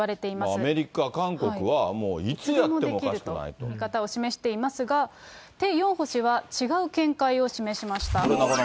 アメリカ、韓国は、いつでもできるという見方を示していますが、テ・ヨンホ氏は違う見解を示しました。